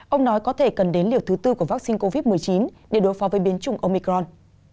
ông nói có thể cần đến liều thứ tư của vaccine covid một mươi chín để đối phó với biến chủng omicron